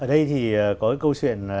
ở đây thì có cái câu chuyện